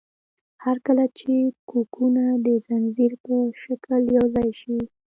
هر کله چې کوکونه د ځنځیر په شکل یوځای شي.